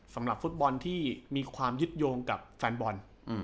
สำหรับฟุตบอลที่มีความยึดโยงกับแฟนบอล